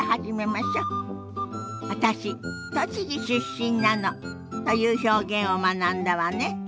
「私栃木出身なの」という表現を学んだわね。